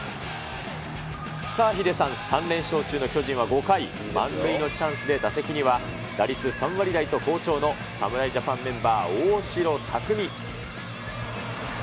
さあ、ヒデさん、３連勝中の巨人は５回、満塁のチャンスで打席には打率３割台と好調の、侍ジャパンメンバー、大城卓三。